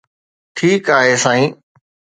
ٺيڪ آهي سائين